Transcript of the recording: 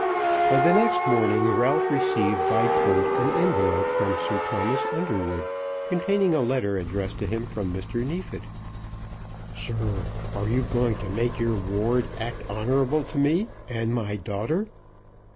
On the next morning Ralph received by post an envelope from Sir Thomas Underwood containing a letter addressed to him from Mr. Neefit. "Sir, Are you going to make your ward act honourable to me and my daughter?